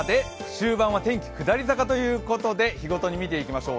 終盤は天気下り坂ということで日ごとに見ていきましょう。